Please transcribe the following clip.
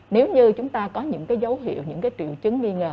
nếu như chúng ta có những cái dấu hiệu những cái triệu chứng nghi ngờ